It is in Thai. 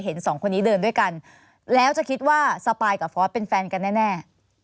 สองคนนี้เดินด้วยกันแล้วจะคิดว่าสปายกับฟอสเป็นแฟนกันแน่